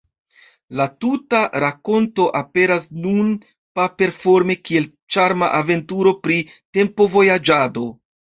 La tuta rakonto aperas nun paper-forme kiel ĉarma aventuro pri tempo-vojaĝado.